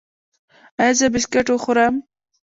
ایا زه بسکټ وخورم؟